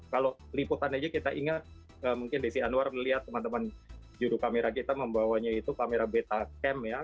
kalau liputan aja kita ingat mungkin desi anwar melihat teman teman juru kamera kita membawanya itu kamera beta camp ya